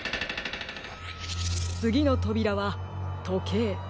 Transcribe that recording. つぎのとびらはとけいりんご